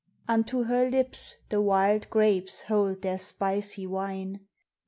Unto her lips the wild grapes hold their spicy wine.